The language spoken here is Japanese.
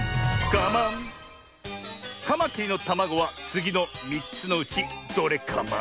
カマキリのたまごはつぎの３つのうちどれカマ？